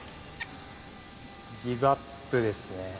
ギブアップですね。